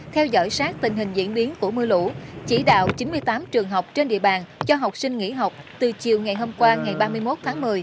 theo dõi sát tình hình diễn biến của mưa lũ chỉ đạo chín mươi tám trường học trên địa bàn cho học sinh nghỉ học từ chiều ngày hôm qua ngày ba mươi một tháng một mươi